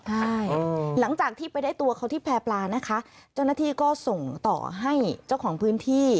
ใช่หลังจากที่ไปได้ตัวเขาที่แพร่ปลานะคะเจ้าหน้าที่ก็ส่งต่อให้เจ้าของพื้นที่